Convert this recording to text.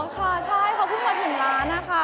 ใช่เขาเพิ่งมาถึงร้านอ่ะค่ะ